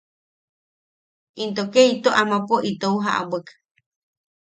Into ke ito amapo itou jaʼabwek.